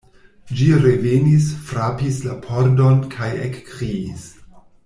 Ĝi revenis, frapis la pordon kaj ekkriis.